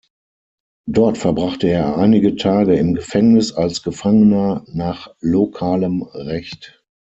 Dort verbrachte er einige Tage im Gefängnis als Gefangener nach lokalem Recht.